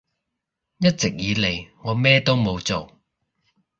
一直以嚟我咩都冇做